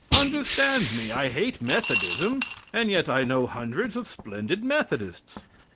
Understand me. I hate Methodism, and yet I know hundreds of splendid Methodists.